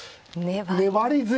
粘り強く。